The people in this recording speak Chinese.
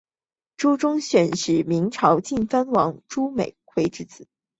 朱钟铉是明朝晋藩王朱美圭之子。